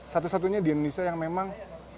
satu satunya di indonesia yang memang